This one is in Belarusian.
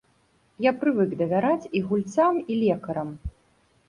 Я прывык давяраць і гульцам, і лекарам.